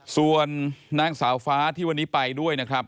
ส่วนนางสาวฟ้าที่วันนี้ไปด้วย